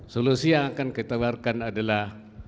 solusi yang akan kita tawarkan adalah